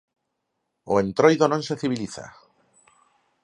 O Entroido non se civiliza.